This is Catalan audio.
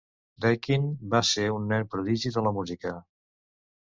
Daquin va ser un nen prodigi de la música.